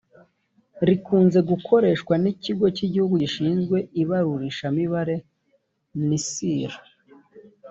rikunze gukoreshwa n ikigo cy igijugu gishinzwe ibarurishamibare nisr